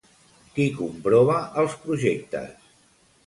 Qui comprova els projectes?